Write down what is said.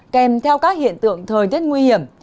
kèm theo các hiện tượng thời tiết nguy hiểm